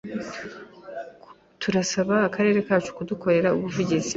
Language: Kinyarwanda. turasaba akarere kacu kudukorera ubuvugizi